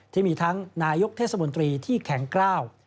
ที่มีทั้งนายกเทศมนตรีที่แข็งกล้าว